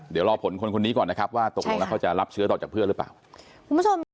เดี๋ยวรอผลคนคนนี้ก่อนนะครับว่าตกลงแล้วเขาจะรับเชื้อต่อจากเพื่อนหรือเปล่าคุณผู้ชมค่ะ